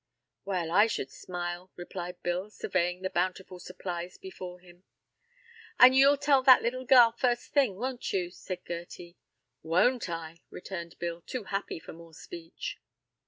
"Well, I should smile," replied Bill, surveying the bountiful supplies before him. "An' you'll tell that little gal first thing, won't you?" said Gerty. "Won't I!" returned Bill, too happy for more speech.